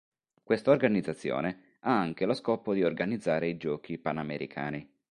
Quest'organizzazione ha anche lo scopo di organizzare i Giochi panamericani.